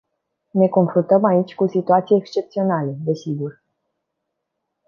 Ne confruntăm aici cu situații excepționale, desigur.